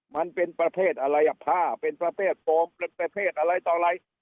มันเป็นประเทศอะไรอ่ะผ้าเป็นประเภทโฟมประเภทอะไรต่ออะไร